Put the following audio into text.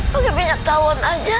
pakai minyak tawon aja